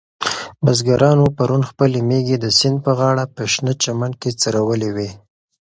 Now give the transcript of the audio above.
بزګرانو پرون خپلې مېږې د سیند په غاړه په شنه چمن کې څرولې وې.